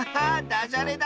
ダジャレだ！